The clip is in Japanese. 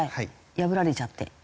破られちゃって。